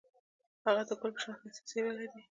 هغه د ګل په شان ښایسته څېره لري.